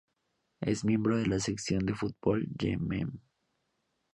Es miembro de la selección de fútbol de Yemen.